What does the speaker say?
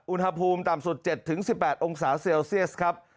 อุณหภูมิต่ำสุด๗๑๘องศาเซลเซียสครับ